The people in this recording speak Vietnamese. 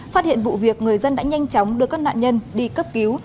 phát hiện vụ việc người dân đã nhanh chóng đưa các nạn nhân đi cấp cứu